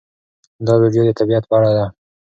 دا ویډیو د طبیعت په اړه ده.